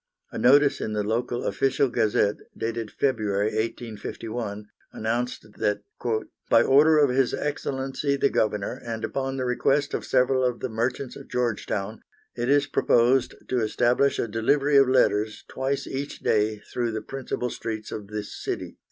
A notice in the local Official Gazette, dated February, 1851, announced that "by order of His Excellency the Governor, and upon the request of several of the merchants of Georgetown, it is proposed to establish a delivery of letters twice each day through the principal streets of this city."